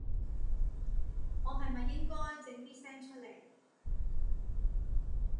我係咪應該整啲聲出來